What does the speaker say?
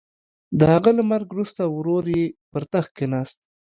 د هغه له مرګ وروسته ورور یې پر تخت کېناست.